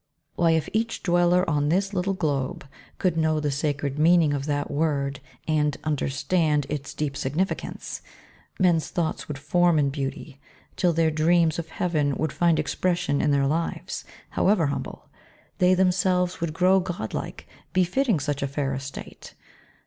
Why, if each dweller on this little globe Could know the sacred meaning of that word And understand its deep significance, Men's thoughts would form in beauty, till their dreams Of heaven would find expression in their lives, However humble; they themselves would grow Godlike, befitting such a fair estate.